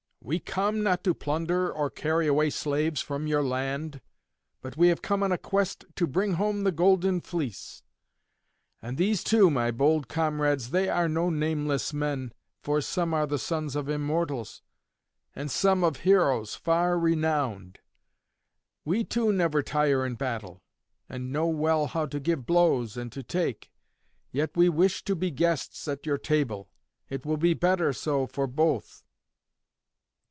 We come, not to plunder or carry away slaves from your land, but we have come on a quest to bring home the Golden Fleece. And these too, my bold comrades, they are no nameless men, for some are the sons of Immortals, and some of heroes far renowned. We too never tire in battle, and know well how to give blows and to take. Yet we wish to be guests at your table; it will be better so for both."